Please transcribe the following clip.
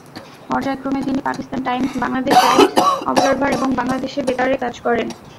পর্যায়ক্রমে তিনি Pakistan Times, Bangladesh Times, Observer এবং বাংলাদেশ বেতারে কাজ করেন।